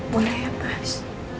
boleh ya pas